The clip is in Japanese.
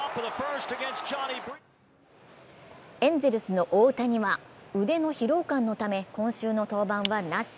エンゼルスの大谷は、腕の疲労感のため今週の登板はなし。